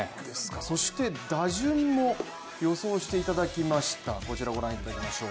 そして打順も予想していただきました。